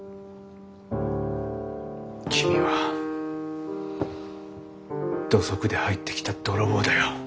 君は土足で入ってきた泥棒だよ。